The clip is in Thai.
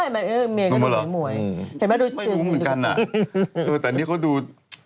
ฮะหน้าหมวยหมวยเหมือนกันอ่ะดูเหมือนกันอ่ะแต่นี่เขาดู